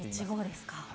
１号ですか。